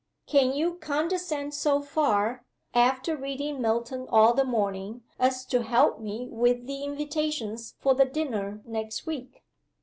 "Can you condescend so far, after reading Milton all the morning, as to help me with the invitations for the dinner next week?"